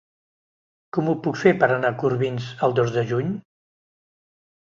Com ho puc fer per anar a Corbins el dos de juny?